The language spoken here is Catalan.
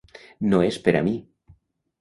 No és per a mi.